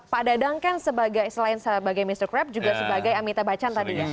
pak dadang kan selain sebagai mr crab juga sebagai amita bacan tadi ya